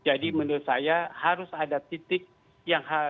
jadi menurut saya harus ada titik yang mau dituju dari